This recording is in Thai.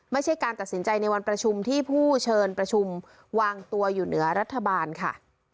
ไม่ใช่การตัดสินใจในวันประชุมที่ผู้เชิญประชุมวางตัวอยู่เหนือรัฐบาลค่ะ